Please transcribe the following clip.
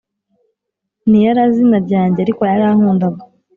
Ntiyarazi izina ryanjye ariko yarankundaga